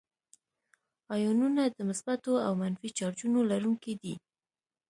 آیونونه د مثبتو او منفي چارجونو لرونکي دي.